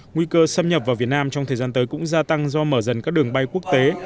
nguy cơ xâm nhập vào việt nam trong thời gian tới cũng gia tăng do mở dần các đường bay quốc tế